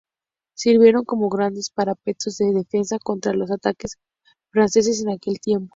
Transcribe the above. Sirvieron como grandes parapetos de defensa contra los ataques franceses en aquel tiempo.